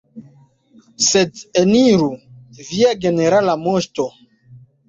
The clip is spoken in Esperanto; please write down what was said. Sed, eniru, Via Generala Moŝto!